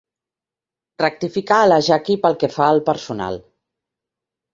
Rectifica a la Jackie pel que fa al personal.